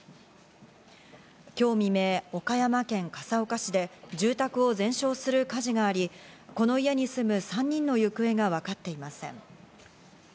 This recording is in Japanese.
今日未明、岡山県笠岡市で住宅を全焼する火事があり、この家に住む３人の行方がわかっていません。